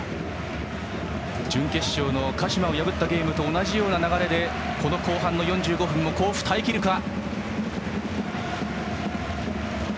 準決勝の鹿島を破ったゲームと同じような流れで後半の４５分を甲府、耐え切るか。